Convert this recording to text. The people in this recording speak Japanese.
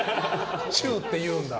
チューって言うんだ。